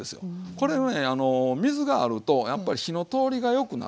これねあの水があるとやっぱり火の通りがよくなるんですね。